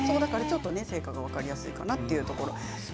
成果が分かりやすいかなというところですね。